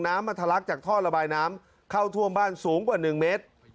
มาทะลักจากท่อระบายน้ำเข้าท่วมบ้านสูงกว่า๑เมตร